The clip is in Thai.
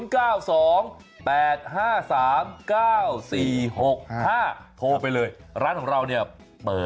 ข้างบัวแห่งสันยินดีต้อนรับทุกท่านนะครับ